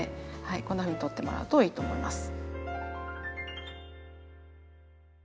こんなふうに取ってもらうといいと思います。